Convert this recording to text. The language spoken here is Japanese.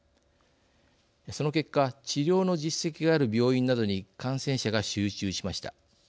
その結果治療の実績がある病院などに感染者が集中しました。